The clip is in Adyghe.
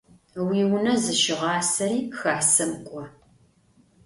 Уиунэ зыщыгъасэри Хасэм кIо.